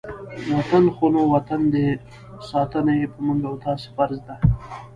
وطن خو نو وطن دی، ساتنه یې په موږ او تاسې فرض ده.